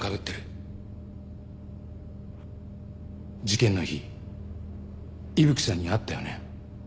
事件の日伊吹さんに会ったよね？